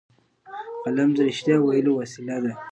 قلم د رښتیا ویلو وسیله ده